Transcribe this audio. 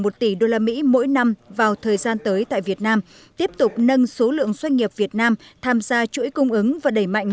một tỷ usd mỗi năm vào thời gian tới tại việt nam tiếp tục nâng số lượng doanh nghiệp việt nam tham gia chuỗi cung ứng và đẩy mạnh